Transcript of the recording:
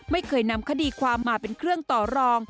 ไม่เคยนำคดีความมาเป็นเครื่องต่อรอง